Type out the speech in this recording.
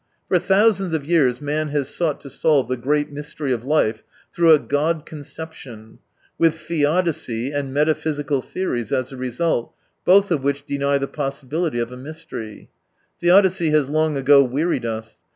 For thousands of years man has sought to solve the great mystery of life through a God^conception — with theodicy and metaphysical theories as a result, both of which deny the possibility of a mystery. Theodicy has long ago wearied us.